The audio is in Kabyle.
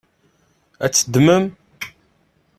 Ad tt-teddmem?